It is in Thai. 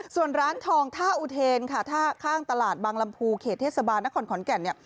ส่วนร้านทองท่าอุเทนค่ะถ้าข้างตลาดบางลำพูเขตเทศบาลนครขอนแก่นเนี่ย